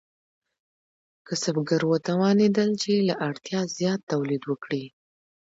کسبګر وتوانیدل چې له اړتیا زیات تولید وکړي.